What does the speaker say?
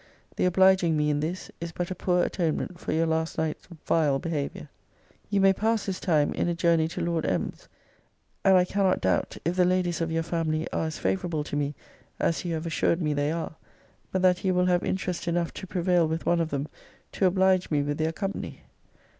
The obliging me in this, is but a poor atonement for your last night's vile behaviour. You may pass this time in a journey to Lord M.'s; and I cannot doubt, if the ladies of your family are as favourable to me, as you have assured me they are, but that you will have interest enough to prevail with one of them to oblige me with their company.